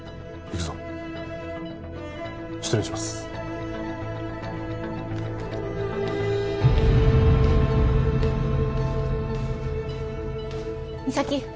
実咲